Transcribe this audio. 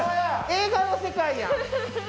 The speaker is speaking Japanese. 映画の世界や。